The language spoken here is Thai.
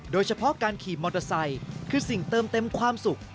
โดยเฉพาะการขี่มอเตอร์ไซค์คือสิ่งเติมเต็มความสุข